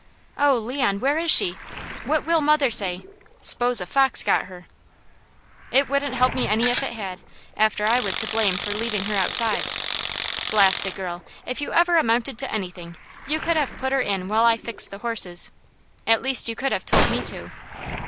"Oh Leon! Where is she? What will mother say? 'Spose a fox got her!" "It wouldn't help me any if it had, after I was to blame for leaving her outside. Blast a girl! If you ever amounted to anything, you could have put her in while I fixed the horses. At least you could have told me to."